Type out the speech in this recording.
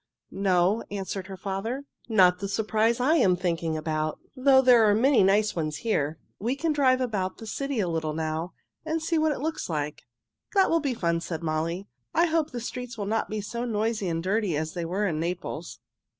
"No," answered her father. "Not the surprise I am thinking about, though there are many nice ones here. We can drive about the city a little now, and see what it looks like." "That will be fun," said Molly. "I hope the streets will not be so noisy and dirty as they were in Naples."